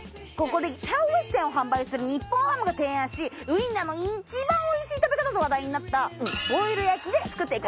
ここでシャウエッセンを販売する日本ハムが提案しウィンナーの一番おいしい食べ方と話題になったボイル焼きで作っていこう。